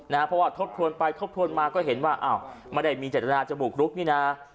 เพราะว่าทบทวนไปทบทวนมาก็เห็นว่าอ้าวไม่ได้มีเจตนาจะบุกรุกนี่นะ